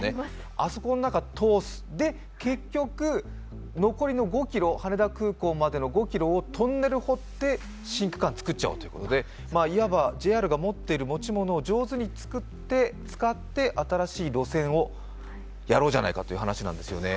あそこの中を通す、で、結局、羽田空港までの残りの５ｋｍをトンネル掘って新区間作っちゃおうということでいわばＪＲが持っている持ち物を上手に使って新しい路線をやろうじゃないかという話なんですよね。